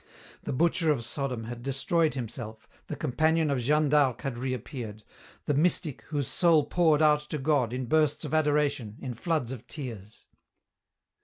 The butcher of Sodom had destroyed himself, the companion of Jeanne d'Arc had reappeared, the mystic whose soul poured out to God, in bursts of adoration, in floods of tears.